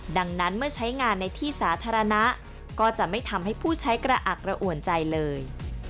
ดังนั้นเมื่อใช้งานในที่สาธารณะก็จะไม่ทำให้ผู้ใช้กระอักกระอ่วนใจเลย